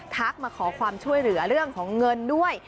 มาขอความช่วยเหลือเรื่องของเงินด้วย